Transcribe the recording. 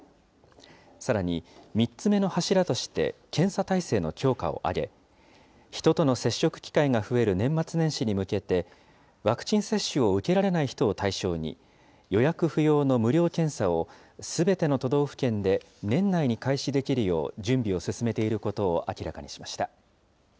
さらに、３つ目の柱として検査体制の強化を挙げ、人との接触機会が増える年末年始に向けて、ワクチン接種を受けられない人を対象に、予約不要の無料検査をすべての都道府県で年内に開始できるよう準備を進めていることを明らかにしました。